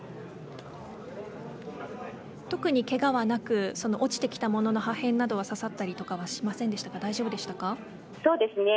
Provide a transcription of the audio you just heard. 特にけがはなく落ちてきた物の破片などは刺さったりとかはしませんでしたかそうですね。